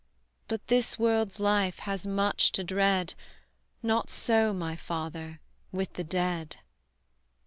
But this world's life has much to dread, Not so, my Father, with the dead.